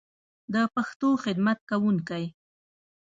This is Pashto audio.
د پښتو خدمت کوونکی